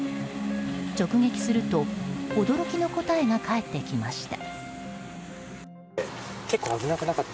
直撃すると、驚きの答えが返ってきました。